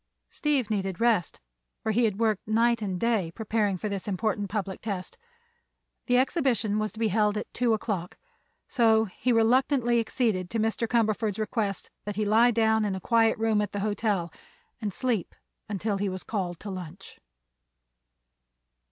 Steve needed rest, for he had worked night and day preparing for this important public test. The exhibition was to be held at two o'clock, so he reluctantly acceded to Mr. Cumberford's request that he lie down in a quiet room at the hotel and sleep until he was called to lunch.